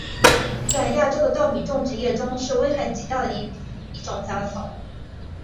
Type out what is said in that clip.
在亚洲的稻米种植业中是危害极大的一种杂草。